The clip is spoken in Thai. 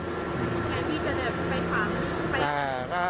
แผนที่จะได้ไปความ